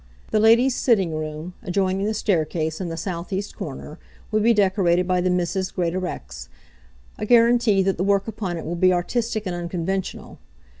The ladies' sitting room, adjoining the staircase in the southeast corner, will be decorated by the Misses Greatorex, a guarantee that the work upon it will be artistic and unconventional.